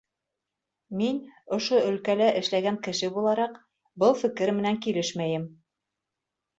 Мин, ошо өлкәлә эшләгән кеше булараҡ, был фекер менән килешмәйем.